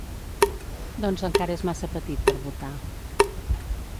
Doncs encara és massa petit per votar.